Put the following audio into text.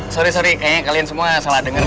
sorry sorry kayaknya kalian semua salah denger deh